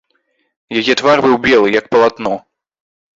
Яе твар быў белы, як палатно.